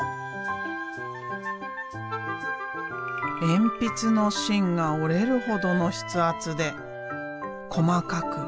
鉛筆の芯が折れるほどの筆圧で細かく美しく。